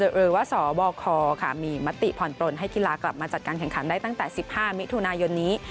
หรือว่าสบคมีมติผ่อนปลนให้กีฬากลับมาจัดการแข่งขันได้ตั้งแต่๑๕มิถุนายนนี้